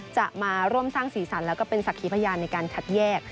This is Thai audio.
จะมาร่วมสร้างศีรษรรณและเป็นศักยิพญานในการคัดแยก